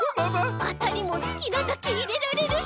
あたりもすきなだけいれられるし！